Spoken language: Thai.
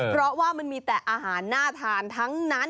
เพราะว่ามันมีแต่อาหารน่าทานทั้งนั้น